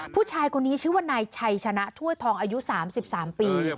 ผู้ชายคนนี้ชื่อว่านายชัยชนะถ้วยทองอายุ๓๓ปี